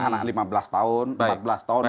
anak lima belas tahun empat belas tahun